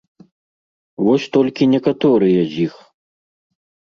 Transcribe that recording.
Вось толькі некаторыя з іх.